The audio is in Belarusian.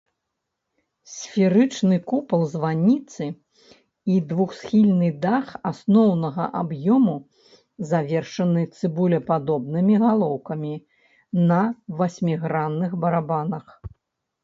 Сферычны купал званіцы і двухсхільны дах асноўнага аб'ёму завершаны цыбулепадобнымі галоўкамі на васьмігранных барабанах.